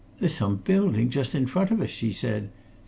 "There's some building just in front of us!" she said.